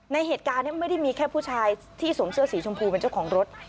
ในเหตุการณ์นี้ไม่ได้มีแค่ผู้ชายที่สวมเสื้อสีชมพูเป็นเจ้าของรถ